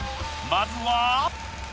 まずは。